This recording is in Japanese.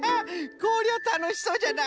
こりゃたのしそうじゃな！